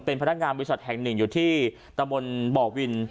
เป็นพนักงานบริษัทแห่งหนึ่งอยู่ที่ตะบนบ่อวิน